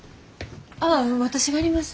ああ私がやります。